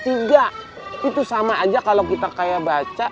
itu sama aja kalau kita kayak baca